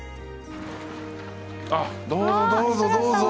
あどうぞどうぞどうぞ。